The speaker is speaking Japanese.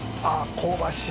香ばしく